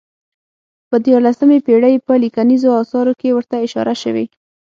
په دیارلسمې پېړۍ په لیکنیزو اثارو کې ورته اشاره شوې.